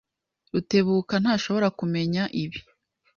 Rutebuka ntashobora kumenya ibi.